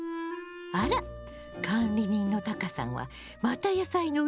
あら管理人のタカさんはまた野菜の売り込みね。